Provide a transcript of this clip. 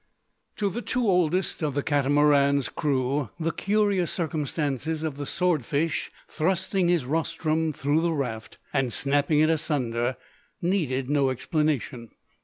To the two oldest of the Catamaran's crew the curious circumstances of the sword fish thrusting his rostrum through the raft, and snapping it asunder, needed no explanation.